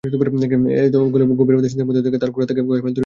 এহেন গভীর এলোপাথাড়ি চিন্তার মধ্য দিয়ে তার ঘোড়া তাকে কয়েক মাইল দূরে নিয়ে আসে।